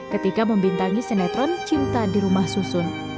ketika membintangi sinetron cinta di rumah susun